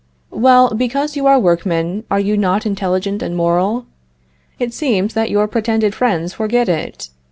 Well, because you are workmen, are you not intelligent and moral? It seems that your pretended friends forget it.